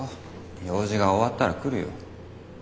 用事が終わったら来るよ。